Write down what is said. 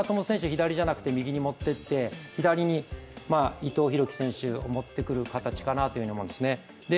左じゃなくて右に持っていって左に伊藤洋輝選手を持ってくる形かなと思うんですね。